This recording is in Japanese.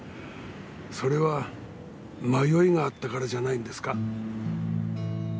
それは迷いがあったからじゃないんですか？